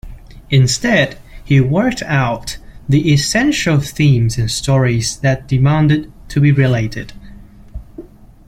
Instead, he worked out the essential themes and stories that demanded to be related.